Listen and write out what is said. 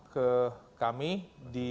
ke kami di